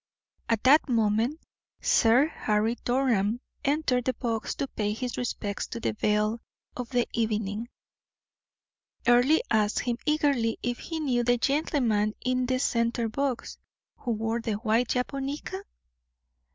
At that moment Sir Harry Durham entered the box to pay his respects to the belle of the evening. Earle asked him eagerly if he knew the gentleman in the center box, who wore the white japonica?